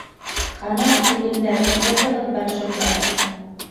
— Ҡана, килендәр, ҡайһығыҙ бар шунда.